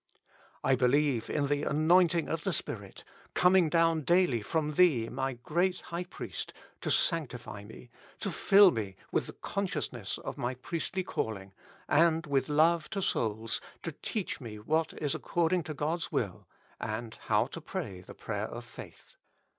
I believe in the Anointing of the Spirit, coming down daily from Thee, my Great High Priest, to sanctify me, to fill me with the consciousness of my priestly calling, and with love to souls, to teach me 250 With Christ in the School of Prayer. what is according to God's will, and how to pray the prayer of faith.